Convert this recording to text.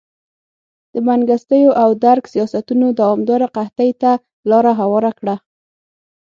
د منګستیو او درګ سیاستونو دوامداره قحطۍ ته لار هواره کړه.